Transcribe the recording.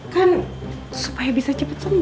kan supaya bisa cepet semua